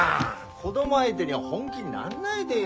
子供相手に本気になんないでよ。